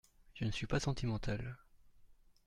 Je ne suis pas sentimental.